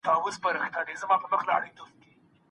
ټولنیز مهارتونه مو شخصیت پیاوړی کوي.